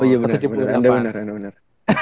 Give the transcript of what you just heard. oh iya bener anda bener